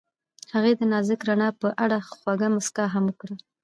هغې د نازک رڼا په اړه خوږه موسکا هم وکړه.